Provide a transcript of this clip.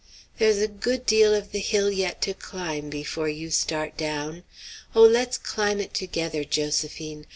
There's a good deal of the hill yet to climb before you start down. Oh, let's climb it together, Josephine!